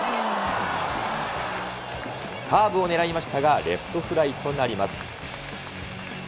カーブをねらいましたが、レフトフライとなります。